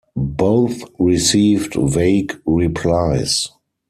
Both received vague replies.